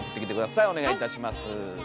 お願いいたします。